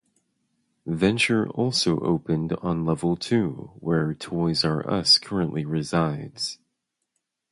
Venture also opened on level two where Toys 'R' Us currently resides.